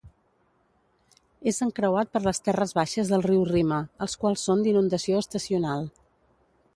És encreuat per les terres baixes del riu Rima, els quals són d'inundació estacional.